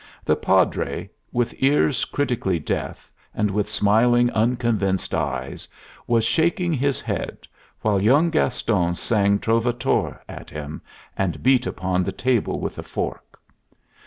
The Padre, with ears critically deaf, and with smiling, unconvinced eyes, was shaking his head, while young Gaston sang Trovatore at him, and beat upon the table with a fork.